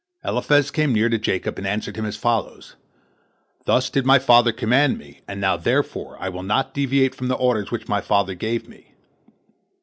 Eliphaz came near to Jacob, and answered as follows, "Thus did my father command me, and now therefore I will not deviate from the orders which my father gave me."